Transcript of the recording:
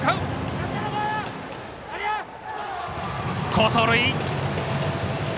好走塁！